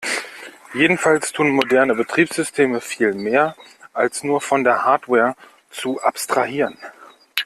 Jedenfalls tun moderne Betriebssysteme viel mehr, als nur von der Hardware zu abstrahieren.